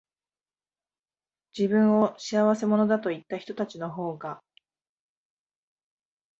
自分を仕合せ者だと言ったひとたちのほうが、